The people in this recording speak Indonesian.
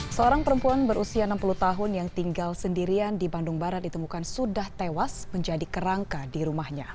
seorang perempuan berusia enam puluh tahun yang tinggal sendirian di bandung barat ditemukan sudah tewas menjadi kerangka di rumahnya